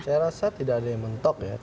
saya rasa tidak ada yang mentok ya